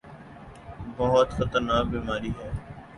بہت خطرناک بیماری ہے۔